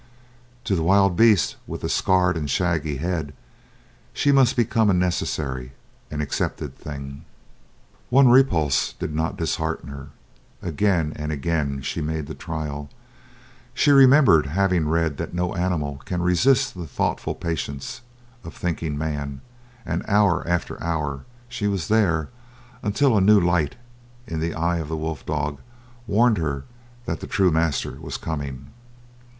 To the wild beast with the scarred and shaggy head she must become a necessary, an accepted thing. One repulse did not dishearten her. Again and again she made the trial. She remembered having read that no animal can resist the thoughtful patience of thinking man, and hour after hour she was there, until a new light in the eye of the wolf dog warned her that the true master was coming.